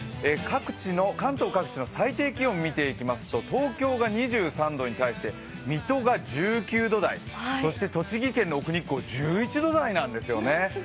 関東各地の最低気温を見ていきますと、東京が２３度に対して水戸が１９度台、そして栃木県の奥日光１１度台なんですよね。